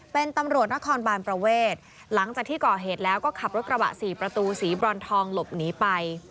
เป็นตำรวจนครบานประเวทหลังจากที่ก่อเหตุแล้วก็ขับรถกระบะสี่ประตูสีบรอนทองหลบหนีไป